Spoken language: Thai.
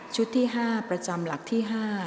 ที่๕ประจำหลักที่๕